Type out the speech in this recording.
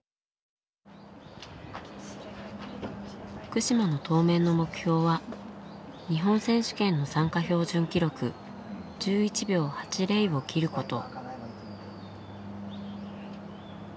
福島の当面の目標は日本選手権の参加標準記録１１秒８０を切ること。